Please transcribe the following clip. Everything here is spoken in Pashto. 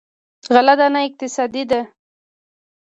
غله دانه اقتصاد دی.